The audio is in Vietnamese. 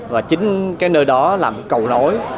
và chính cái nơi đó là một cầu nối